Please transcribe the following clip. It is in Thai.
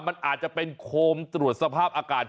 มันอาจจะเป็นโคมตรวจสภาพอากาศ